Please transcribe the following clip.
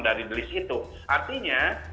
dari list itu artinya